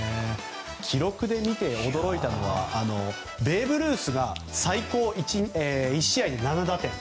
記録で見て驚いたのはベーブ・ルースが最高、１試合で７打点。